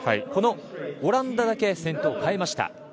このオランダだけ先頭を変えました。